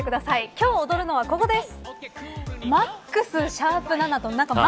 今日、踊るのはここです。